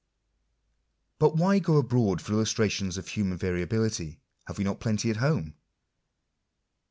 But why go abroad for illustrations of human variability ? have we not plenty at home